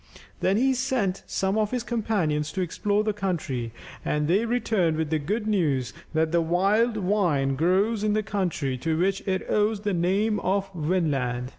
Then he sent some of his companions to explore the country, and they returned with the good news that the wild vine grows in the country, to which it owes the name of Vinland.